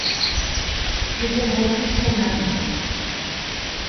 Mais elle refuse son amour.